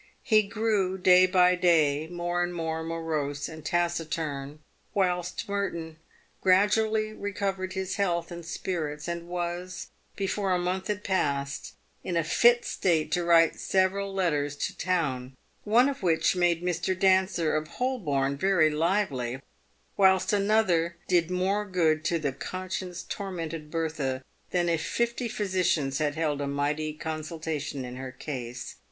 He grew day by day more and more morose and taciturn, whilst Merton gradually recovered his health and spirits, and was, before a month had passed, in a fit state to write several letters to town, one of which made Mr. Dancer of Holborn very lively, whilst another did more good to the conscience tormented Bertha than if fifty physicians had held a mighty consultation in her case.